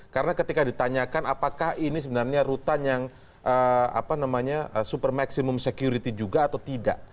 karena ketika ditanyakan apakah ini sebenarnya rutan yang super maximum security juga atau tidak